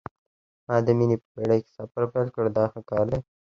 ما د مینې په بېړۍ کې سفر پیل کړ دا ښه کار دی.